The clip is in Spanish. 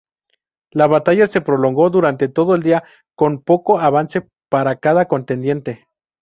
La batalla se prolongó durante todo el día con poco avance para cada contendiente.